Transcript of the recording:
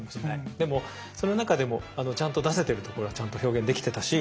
でもその中でもちゃんと出せてるところはちゃんと表現できてたし。